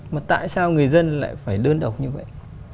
mà tại sao người dân lại phải đơn độc như vậy